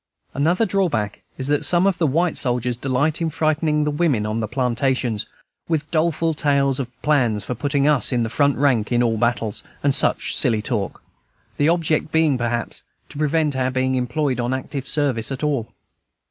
Another drawback is that some of the white soldiers delight in frightening the women on the plantations with doleful tales of plans for putting us in the front rank in all battles, and such silly talk, the object being perhaps, to prevent our being employed on active service at all.